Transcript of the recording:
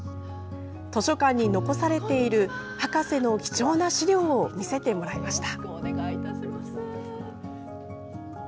図書館に残されている博士の貴重な資料を見せてもらいました。